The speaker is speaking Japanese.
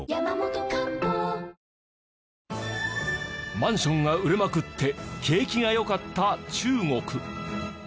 マンションが売れまくって景気が良かった中国。